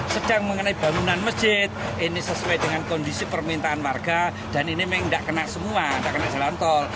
sedang mengenai bangunan masjid ini sesuai dengan kondisi permintaan warga dan ini tidak kena semua tidak kena jalan tol